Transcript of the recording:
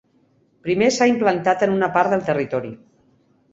Primer s'ha implantat en una part del territori.